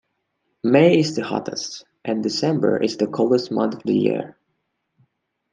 May is the hottest and December is the coolest month of the year.